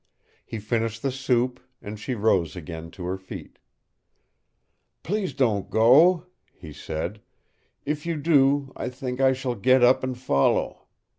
He finished the soup, and she rose again to her feet. "Please don't go," he said. "If you do, I think I shall get up and follow.